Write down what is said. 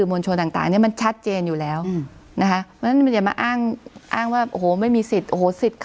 มันชัดเจนอยู่แล้วอย่ามาอ้างว่าโอ้โหไม่มีสิทธิ์